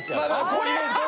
これ？